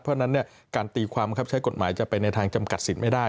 เพราะฉะนั้นการตีความบังคับใช้กฎหมายจะไปในทางจำกัดสิทธิ์ไม่ได้